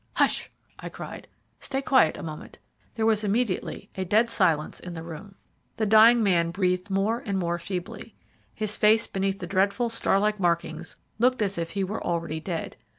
"Hush!" I cried, "stay quiet a moment." There was immediately a dead silence in the room. The dying man breathed more and more feebly. His face beneath the dreadful star like markings looked as if he were already dead.